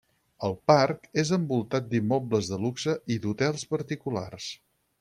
El parc és envoltat d'immobles de luxe i d'hotels particulars.